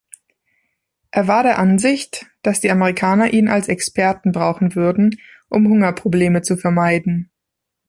Er war der Ansicht, dass die Amerikaner ihn als Experten brauchen würden, um Hungerprobleme zu vermeiden.